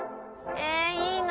えいいな！